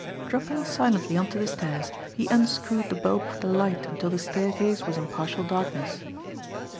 Dropping silently on to the stairs, he unscrewed the bulb of the light until the staircase was in partial darkness.